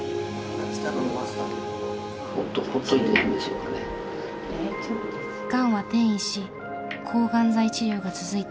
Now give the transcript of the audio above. ガンは転移し抗ガン剤治療が続いています。